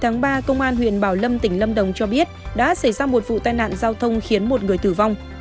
ngày ba công an huyện bảo lâm tỉnh lâm đồng cho biết đã xảy ra một vụ tai nạn giao thông khiến một người tử vong